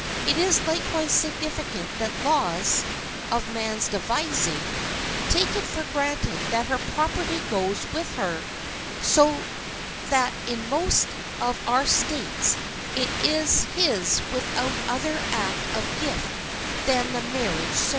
It is likewise significant that laws (of man's devising) take it for granted that her property goes with her, so that in most of our states it is his without other act of gift than the marriage ceremony.